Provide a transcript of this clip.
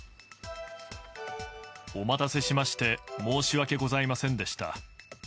お待たせしまして申し訳ございませんでした。